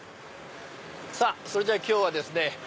さぁそれじゃ今日はですね